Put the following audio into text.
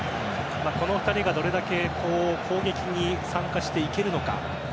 この２人が、どれだけ攻撃に参加していけるのか。